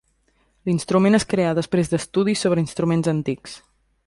L'instrument es creà després d'estudis sobre instruments antics.